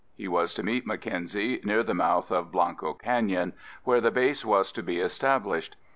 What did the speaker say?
He was to meet Mackenzie near the mouth of Blanco Canyon, where the base was to be established.